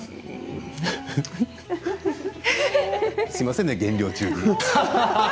すみませんね減量中に。